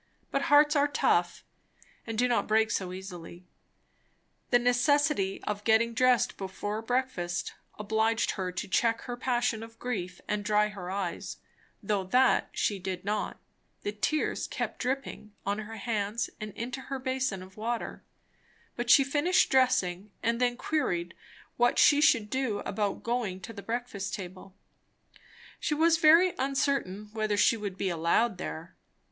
But hearts are tough, and do not break so easily. The necessity of getting dressed before breakfast obliged her to check her passion of grief and dry her eyes; though that she did not; the tears kept dripping on her hands and into her basin of water; but she finished dressing, and then queried what she should do about going to the breakfast table. She was very uncertain whether she would be allowed there.